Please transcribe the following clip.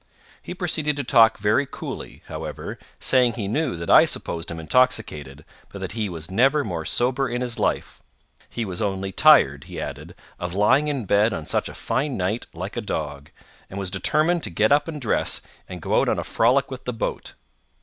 He proceeded to talk very coolly, however, saying he knew that I supposed him intoxicated, but that he was never more sober in his life. He was only tired, he added, of lying in bed on such a fine night like a dog, and was determined to get up and dress, and go out on a frolic with the boat.